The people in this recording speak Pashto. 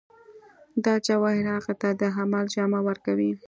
دا جوهر هغه ته د عمل جامه ورکوي